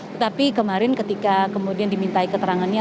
tetapi kemarin ketika kemudian dimintai keterangannya